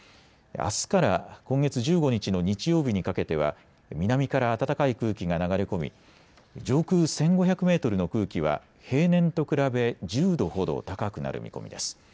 あすから今月１５日の日曜日にかけては南から暖かい空気が流れ込み上空１５００メートルの空気は平年と比べ１０度ほど高くなる見込みです。